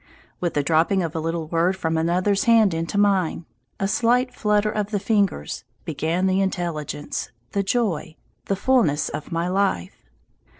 With the dropping of a little word from another's hand into mine, a slight flutter of the fingers, began the intelligence, the joy, the fullness of my life.